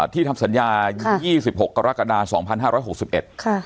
ที่ทำสัญญาค่ะ๒๖กรกาดาสองพันห้าร้อยหกสิบเอ็ดค่ะ